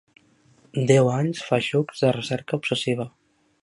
Deu anys feixucs de recerca obsessiva.